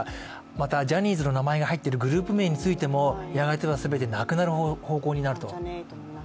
またジャニーズの名前が入っているグループについてもやがては全てなくなる方向になると。